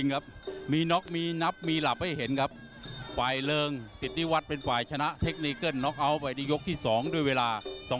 รอยฮาวจนกว่า